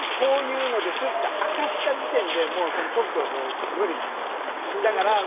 こういうのですって明かした時点で特許は無理なんですよ。